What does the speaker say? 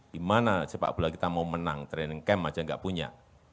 di mana sepak bola kita mau menang training camp aja enggak punya